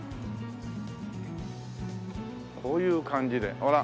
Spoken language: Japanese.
こういう感じでほら。